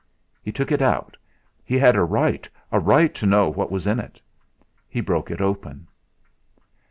He took it out. He had a right a right to know what was in it! He broke it open.